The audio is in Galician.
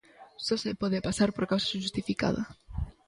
Só se pode pasar por causa xustificada.